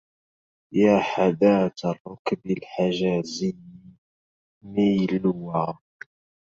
يا حداة الركب الحجازي ميلوا